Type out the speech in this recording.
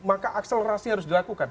maka akselerasi harus dilakukan